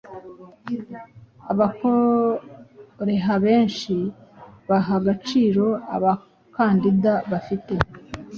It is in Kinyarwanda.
Abakoreha benhi baha agaciro abakandida bafite